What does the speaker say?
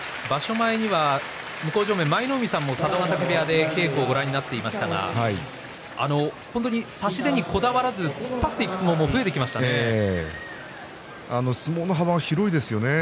前には向正面の舞の海さんも佐渡ヶ嶽部屋で稽古をご覧になっていましたが差し手にこだわらずに突っ張っていく相撲も相撲の幅が広いですよね。